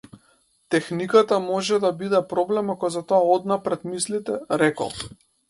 Техниката може да биде проблем ако за тоа однапред мислите, рекол.